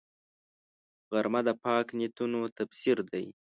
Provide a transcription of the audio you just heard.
غرمه د پاک نیتونو تفسیر دی